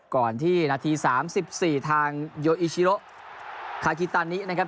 ก่อนที่นาทีสามสิบสี่ทางยโออิชิโร่คาคิตานินะครับ